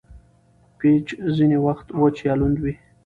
پيچ ځیني وخت وچ یا لوند يي.